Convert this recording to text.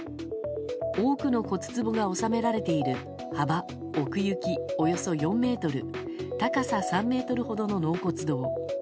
多くの骨壺が納められている幅、奥行きおよそ４ｍ高さ３ｍほどの納骨堂。